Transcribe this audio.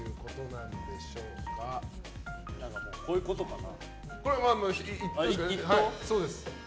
こういうことかな。